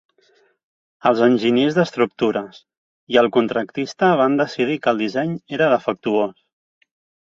Els enginyers d'estructures i el contractista van decidir que el disseny era defectuós.